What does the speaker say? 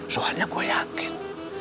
soalnya gua yakin